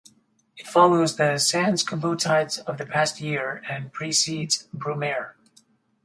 It follows the Sansculottides of the past year and precedes Brumaire.